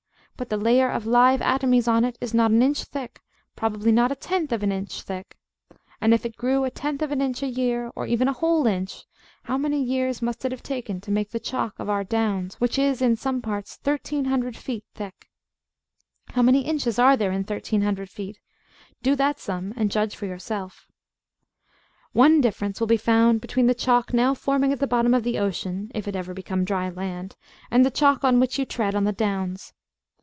But the layer of live atomies on it is not an inch thick, probably not a tenth of an inch. And if it grew a tenth of an inch a year, or even a whole inch, how many years must it have taken to make the chalk of our downs, which is in some parts 1300 feet thick? How many inches are there in 1300 feet? Do that sum, and judge for yourself. One difference will be found between the chalk now forming at the bottom of the ocean, if it ever become dry land, and the chalk on which you tread on the downs.